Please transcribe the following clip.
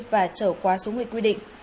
và trở qua số nguyện quy định